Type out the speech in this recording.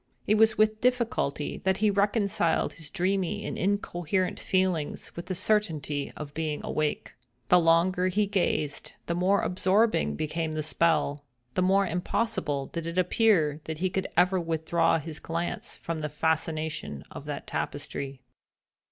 It was with difficulty that he reconciled his dreamy and incoherent feelings with the certainty of being awake. The longer he gazed the more absorbing became the spell—the more impossible did it appear that he could ever withdraw his glance from the fascination of that tapestry.